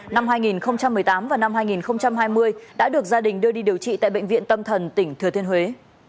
năm hai nghìn một mươi tám và năm hai nghìn hai mươi đã được gia đình đưa đi điều trị tại bệnh viện tâm thần tỉnh thừa thiên huế